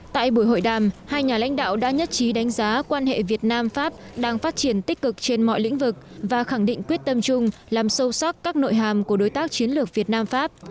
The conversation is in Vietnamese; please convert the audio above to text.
tại buổi hội đàm hai nhà lãnh đạo đã nhất trí đánh giá quan hệ việt nam pháp đang phát triển tích cực trên mọi lĩnh vực và khẳng định quyết tâm chung làm sâu sắc các nội hàm của đối tác chiến lược việt nam pháp